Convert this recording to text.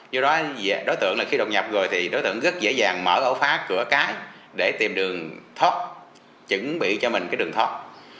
do đó đối tượng là khi đột nhập rồi thì đối tượng rất dễ dàng mở ổ phá cửa cái để tìm đường thóc chuẩn bị cho mình cái đường thoát